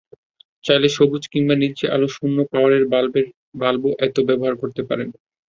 চাইলে সবুজ কিংবা নীলচে আলোর শূন্য পাওয়ারের বাল্বও এতে ব্যবহার করতে পারেন।